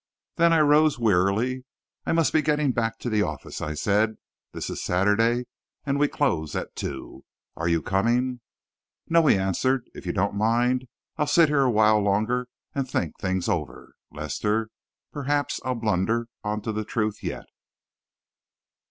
Then I rose wearily. "I must be getting back to the office," I said. "This is Saturday, and we close at two. Are you coming?" "No," he answered; "if you don't mind, I'll sit here a while longer and think things over, Lester. Perhaps I'll blunder on to the truth yet!"